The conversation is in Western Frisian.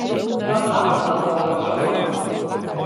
Dat hat der noch wolris oan.